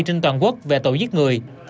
trên toàn quốc về tội giết người